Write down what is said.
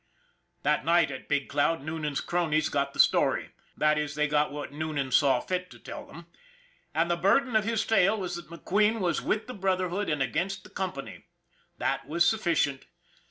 That night, at Big Cloud, Noonan's cronies got the story. That is, they got what Noonan saw fit to tell them. And the burden of his tale was that McQueen was with the Brotherhood and against the company. Jhat was sufficient.